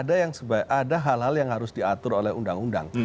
ada hal hal yang harus diatur oleh undang undang